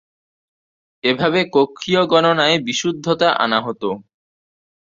এভাবে কক্ষীয় গণনায় বিশুদ্ধতা আনা হত।